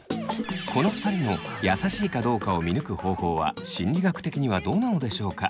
この２人の優しいかどうかを見抜く方法は心理学的にはどうなのでしょうか？